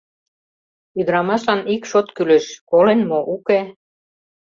Ӱдырамашлан ик шот кӱлеш: колен мо, уке?